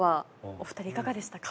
お２人いかがでしたか？